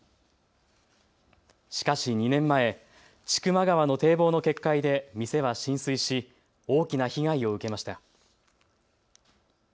しかし２年前、千曲川の堤防の決壊で店は浸水し大きな被害を受けました。